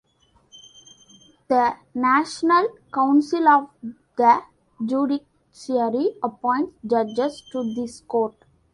The National Council of the Judiciary appoints judges to this court.